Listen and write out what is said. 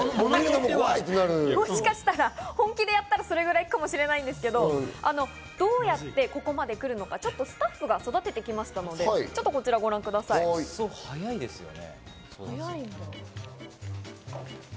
うわって生えすぎちゃって、怖いって、本気でやったら、それぐらいかもしれないですけど、どうやってここまで来るのか、スタッフが育ててきましたので、金井さんですね。